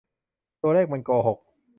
ตัวเลขมันโกหก !